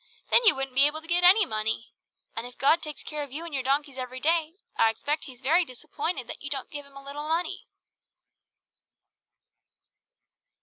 Then you wouldn't be able to get any money. And if God takes care of you and your donkeys every day, I expect He's very disappointed that you don't give Him a little money!"